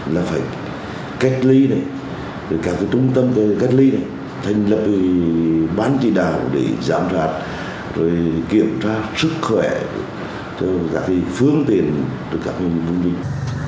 là phải cách ly các trung tâm cách ly thành lập bán tỉ đảo để giảm thoát kiểm tra sức khỏe phương tiến từ các vùng dịch